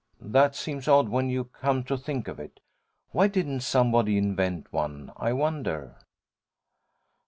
That seems odd, when you come to think of it. Why didn't somebody invent one, I wonder?'